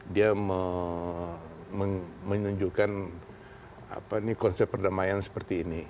dia menunjukkan konsep perdamaian seperti ini